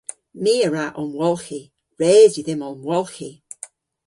My a wra omwolghi. Res yw dhymm omwolghi.